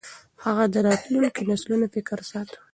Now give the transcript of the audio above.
هغه د راتلونکو نسلونو فکر ساته.